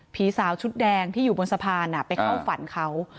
ผีสาวชุดแดงที่อยู่บนสะพานไปเข้าฝันเขา